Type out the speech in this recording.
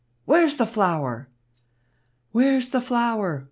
Where's the flower?" "Where's the flower?